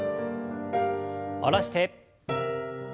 下ろして。